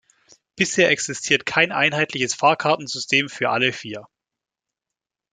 Bisher existiert kein einheitliches Fahrkartensystem für alle vier.